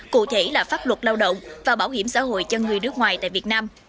cụ thể là pháp luật lao động và bảo hiểm xã hội cho người nước ngoài tại việt nam